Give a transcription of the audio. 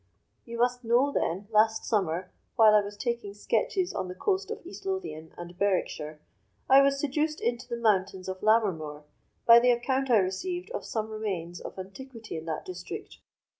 You must know then, last summer, while I was taking sketches on the coast of East Lothian and Berwickshire, I was seduced into the mountains of Lammermoor by the account I received of some remains of antiquity in that district.